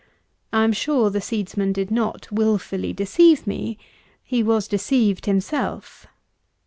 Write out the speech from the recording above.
I am sure the seedsman did not wilfully deceive me. He was deceived himself.